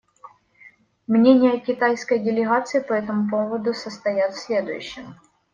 Мнения китайской делегации по этому поводу состоят в следующем.